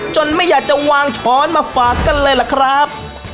ไม่อยากจะวางช้อนมาฝากกันเลยล่ะครับ